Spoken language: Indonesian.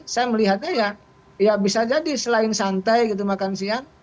saya melihatnya ya bisa jadi selain santai gitu makan siang